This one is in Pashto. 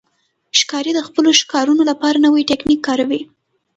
ښکاري د خپلو ښکارونو لپاره نوی تاکتیک کاروي.